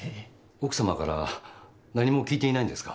奥さまから何も聞いていないんですか？